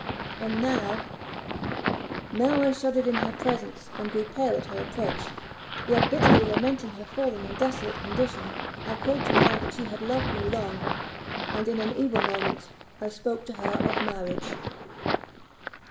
And now—now I shuddered in her presence, and grew pale at her approach; yet, bitterly lamenting her fallen and desolate condition, I called to mind that she had loved me long, and, in an evil moment, I spoke to her of marriage.